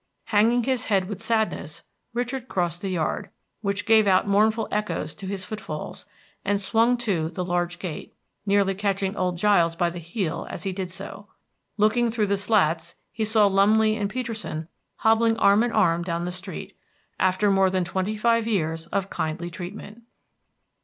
Hanging his head with sadness, Richard crossed the yard, which gave out mournful echoes to his footfalls, and swung to the large gate, nearly catching old Giles by the heel as he did so. Looking through the slats, he saw Lumley and Peterson hobbling arm in arm down the street, after more than twenty five years of kindly treatment.